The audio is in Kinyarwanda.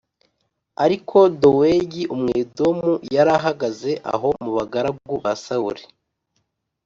Ariko Dowegi Umwedomu yari ahagaze aho mu bagaragu ba Sawuli